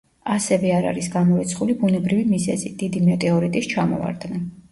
ასევე არ არის გამორიცხული ბუნებრივი მიზეზი: დიდი მეტეორიტის ჩამოვარდნა.